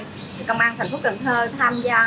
thì công an thành phố cần thơ tham gia